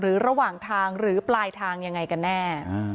ระหว่างทางหรือปลายทางยังไงกันแน่